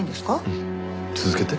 うん続けて。